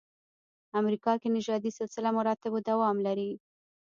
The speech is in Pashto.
امریکا کې نژادي سلسله مراتبو دوام لري.